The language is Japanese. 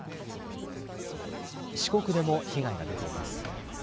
四国でも被害が出ています。